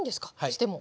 しても。